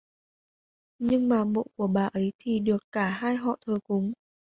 Nhưng mà mộ của bà ấy thì được cả cái họ thờ cúng